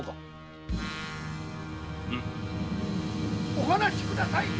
・お離しください！